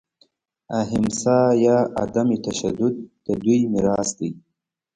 اهیمسا یا عدم تشدد د دوی میراث دی.